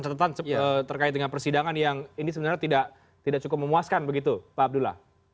catatan terkait dengan persidangan yang ini sebenarnya tidak cukup memuaskan begitu pak abdullah